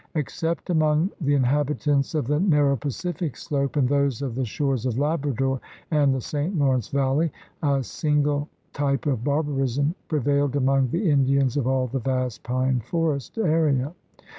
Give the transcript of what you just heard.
Except among the inhabitants of the narrow Pacific slope and those of the shores of Labrador and the St. Lawrence Valley, a single type of barbarism pre vailed among the Indians of all the vast pine forest area.